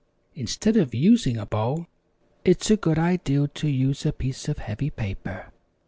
Instead of using a bowl, it's a good idea to use a piece of heavy paper.